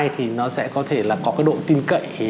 thì nó sẽ có thể là có cái độ tin cậy